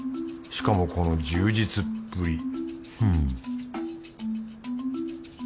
しかもこの充実っぷり。ふん